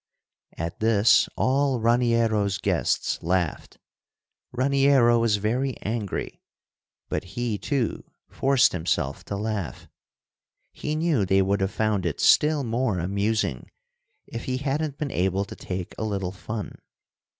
'" At this all Raniero's guests laughed. Raniero was very angry, but he, too, forced himself to laugh. He knew they would have found it still more amusing if he hadn't been able to take a little fun.